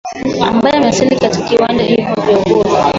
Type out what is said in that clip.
ambaye amewasili katika viwanja hivyo vya uhuru